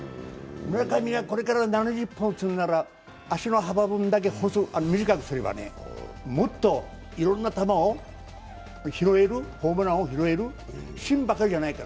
村上がこれから７０本打つなら、足の幅分だけ短くすればいろんな球を拾える、ホームランを拾える、芯ばかりじゃないから。